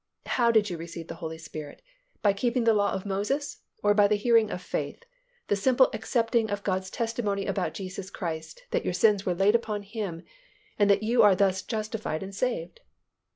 "How did you receive the Holy Spirit, by keeping the law of Moses, or by the hearing of faith, the simple accepting of God's testimony about Jesus Christ that your sins were laid upon Him, and that you are thus justified and saved?"